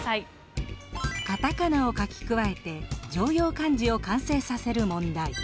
カタカナを書き加えて常用漢字を完成させる問題。